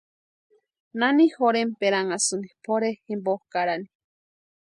¿Nani jorhenperanhasïni pʼorhe jimpo karani?